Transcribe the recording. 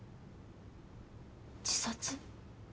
自殺？